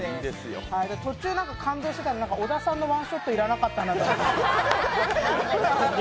途中なんか感動してたのに、小田さんのワンショット要らなかったなって。